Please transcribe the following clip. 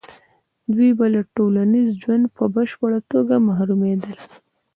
دوی به له ټولنیز ژونده په بشپړه توګه محرومېدل.